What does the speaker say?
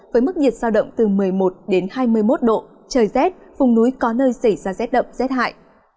với mức nhiệt sao động từ một mươi một đến hai mươi một độ trời rét vùng núi có nơi xảy ra rét đậm rét hại